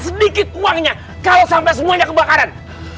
sedikit uangnya kalau sampai semuanya kebakaran